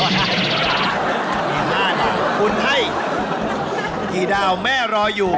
๕ดาวคุณให้กี่ดาวแม่รออยู่